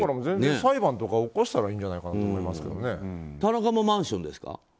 裁判とか起こしたらいいんじゃないかと田中もマンションですか？